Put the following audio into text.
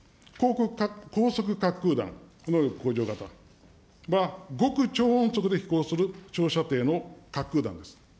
高速滑空弾能力向上型、極超音速で飛行する長射程の滑空弾です。